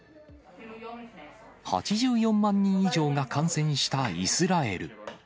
８４万人以上が感染したイスラエル。